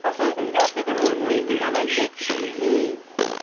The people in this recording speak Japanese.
両手で持っていただいて。